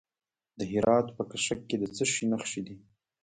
د هرات په کشک کې د څه شي نښې دي؟